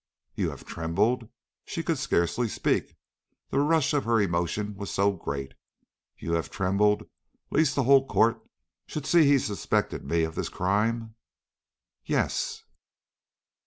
"You have trembled" she could scarcely speak, the rush of her emotion was so great "you have trembled lest the whole court should see he suspected me of this crime?" "Yes."